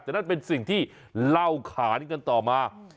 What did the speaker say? แต่นั่นเป็นสิ่งที่เล่าขานกันต่อมา